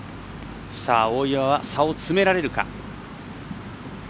大岩は差を詰められるか。